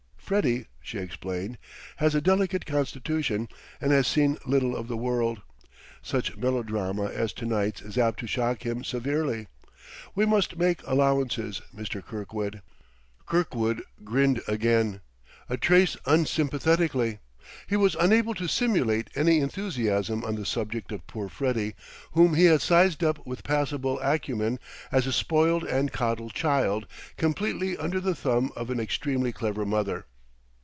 Freddie," she explained, "has a delicate constitution and has seen little of the world. Such melodrama as to night's is apt to shock him severely. We must make allowances, Mr. Kirkwood." Kirkwood grinned again, a trace unsympathetically; he was unable to simulate any enthusiasm on the subject of poor Freddie, whom he had sized up with passable acumen as a spoiled and coddled child completely under the thumb of an extremely clever mother.